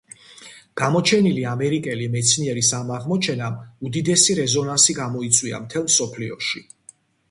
გამოჩენილი ამერიკელი მეცნიერის ამ აღმოჩენამ უდიდესი რეზონანსი გამოიწვია მთელ მსოფლიოში.